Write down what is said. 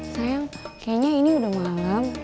sayang kayaknya ini udah malam